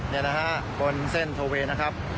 เฮียนะฮะบนเส้นทัวร์เวย์นะครับ